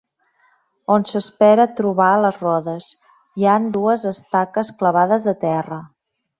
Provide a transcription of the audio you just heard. On s'espera trobar les rodes, hi han dues estaques clavades a terra.